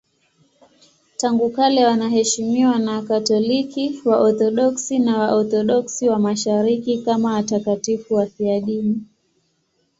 Tangu kale wanaheshimiwa na Wakatoliki, Waorthodoksi na Waorthodoksi wa Mashariki kama watakatifu wafiadini.